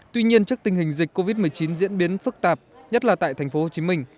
tuy nhiên trước tình hình dịch covid một mươi chín diễn biến phức tạp nhất là tại tp hcm